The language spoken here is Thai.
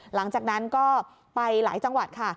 หลังจากนั้นก็ไปหลายจังหวัดค่ะ